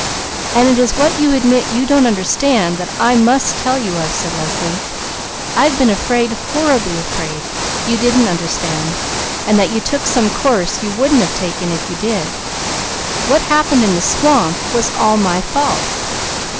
"And it is what you admit you don't understand that I must tell you of," said Leslie. "I've been afraid, horribly afraid you didn't understand, and that you took some course you wouldn't have taken if you did. What happened in the swamp was all my fault!"